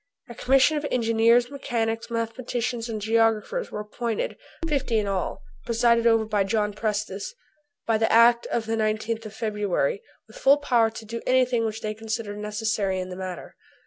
A commission of engineers, mechanicians, mathematicians, and geographers were appointed fifty in all, presided over by John Prestice by the act of the 19th of February, with full power to do anything which they considered necessary in the matter.